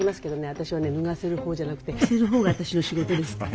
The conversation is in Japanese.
私はね脱がせる方じゃなくて着せる方が私の仕事ですから。